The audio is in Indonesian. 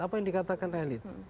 apa yang dikatakan elit